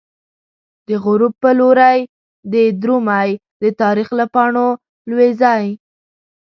د غروب په لوری د رومی، د تاریخ له پاڼو لویزی